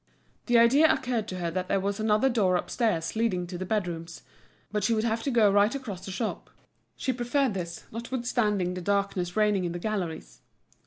The idea occurred to her that there was another door upstairs leading to the bedrooms; but she would have to go right across the shop. She preferred this, notwithstanding the darkness reigning in the galleries.